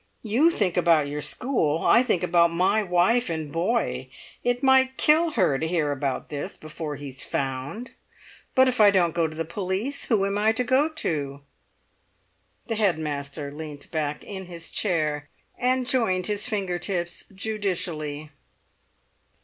"You think about your school. I think about my wife and boy; it might kill her to hear about this before he's found. But if I don't go to the police, who am I to go to?" The head master leant back in his chair, and joined his finger tips judicially.